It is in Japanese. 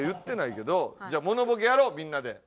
モノボケやろうみんなで。